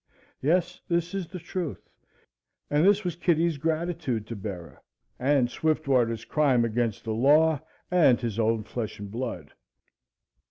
Yes, this is the truth, and this was Kitty's gratitude to Bera and Swiftwater's crime against the law and his own flesh and blood.